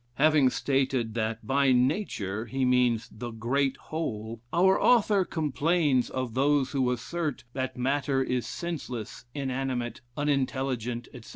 Having stated that by "nature" he means the "great whole," our author complains of those who assert that matter is senseless, inanimate, unintelligent, etc.